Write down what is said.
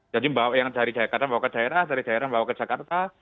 jadi yang dari daerah ke daerah dari daerah bawa ke jakarta